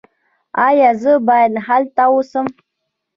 ایا زه باید هلته اوسم؟